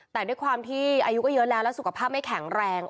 แต่ด้วยความที่อายุก็เยอะแล้วแล้วสุขภาพไม่แข็งแรง